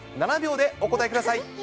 ７秒でお答えください。